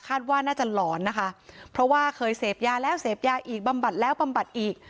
ว่าน่าจะหลอนนะคะเพราะว่าเคยเสพยาแล้วเสพยาอีกบำบัดแล้วบำบัดอีก